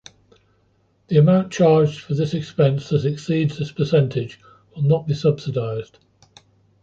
The amount charged for this expense that exceeds this percentage will not be subsidized.